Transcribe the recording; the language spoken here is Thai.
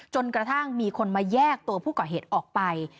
จนกระทั่งมีคนมาแยกตัวผู้ก่อเหตุออกไป